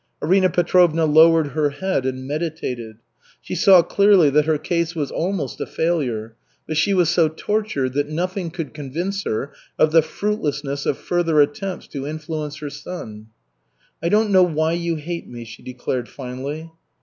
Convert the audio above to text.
Arina Petrovna lowered her head and meditated. She saw clearly that her case was almost a failure, but she was so tortured that nothing could convince her of the fruitlessness of further attempts to influence her son. "I don't know why you hate me," she declared finally.